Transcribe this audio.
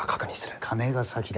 金が先だ。